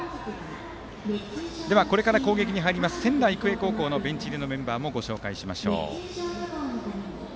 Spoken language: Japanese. これから攻撃に入ります仙台育英高校のベンチ入りのメンバーです。